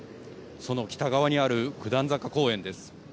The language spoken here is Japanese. その北側にある九段坂公園です。